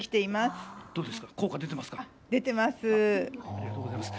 ありがとうございます。